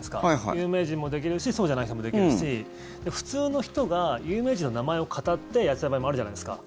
有名人もできるしそうじゃない人もできるし普通の人が有名人の名前をかたってやっちゃう場合もあるじゃないですか。